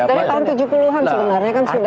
dari tahun tujuh puluh an sebenarnya kan sudah